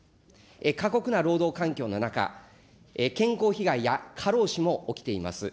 過酷な労働環境の中、健康被害や過労死も起きています。